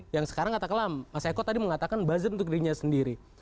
yang sekarang kata kelam mas eko tadi mengatakan buzzer untuk dirinya sendiri